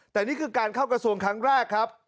แต่นี่คือการเข้ากระทรวงครั้งแรกครับ